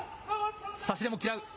差し手も嫌う。